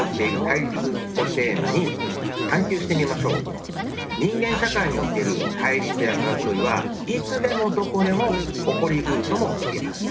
皆さんも人間社会における対立や争いはいつでもどこでも起こりうるとも言えます。